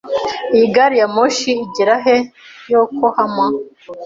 Iyi gari ya moshi igera he Yokohama?